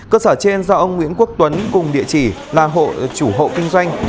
cơ sở trên do ông nguyễn quốc tuấn cùng địa chỉ là chủ hộ kinh doanh